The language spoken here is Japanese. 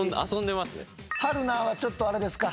春菜はちょっとあれですか。